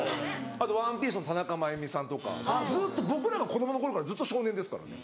あと『ＯＮＥＰＩＥＣＥ』の田中真弓さんとかずっと僕らが子供の頃からずっと少年ですからね。